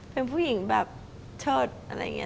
เป็นผู้หญิงแบบเชิดอะไรอย่างนี้